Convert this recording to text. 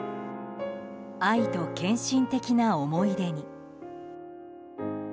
「愛と献身的な思い出に」。